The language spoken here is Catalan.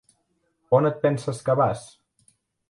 On et penses que vas?